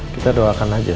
kita doakan aja